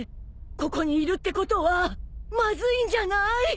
ここにいるってことはまずいんじゃない？